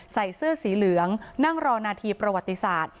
ใส่เสื้อสีเหลืองนั่งรอนาทีประวัติศาสตร์